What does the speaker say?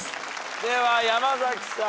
では山崎さん。